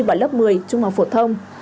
vào lớp một mươi trung học phổ thông